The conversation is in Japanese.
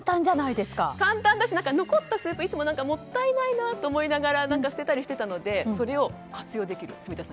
簡単だし、いつも残ったスープがもったいないなと思いながら捨てたりしていたのでそれを活用できる。